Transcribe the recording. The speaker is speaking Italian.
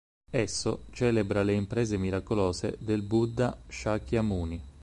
Esso celebra le imprese miracolose del Buddha Shakyamuni.